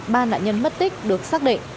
ba nạn nhân mất tích được xác định